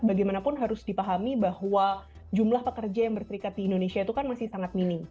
bagaimanapun harus dipahami bahwa jumlah pekerja yang berserikat di indonesia itu kan masih sangat minim